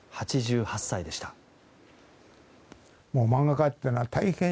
８８歳でした。